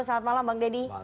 selamat malam bang deddy